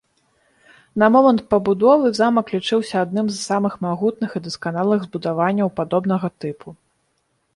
На момант пабудовы замак лічыўся адным з самых магутных і дасканалых збудаванняў падобнага тыпу.